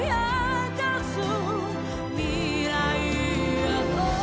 「未来へと」